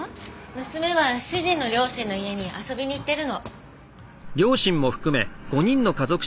娘は主人の両親の家に遊びに行っているの。